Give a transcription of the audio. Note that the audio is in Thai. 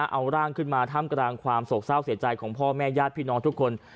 เอาร่างขึ้นมาท่ามกลางความโศกเศร้าเสียใจของพ่อแม่ญาติพี่น้องทุกคน